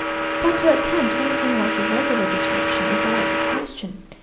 But to attempt anything like a regular description is out of the question.